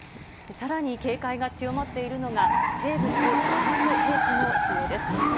さらに、警戒が強まっているのが、生物化学兵器の使用です。